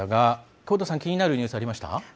久保田さん気になるニュースありました？